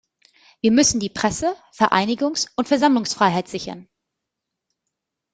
Wir müssen die Presse-, Vereinigungs- und Versammlungsfreiheit sichern.